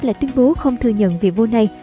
là tuyên bố không thừa nhận vị vua này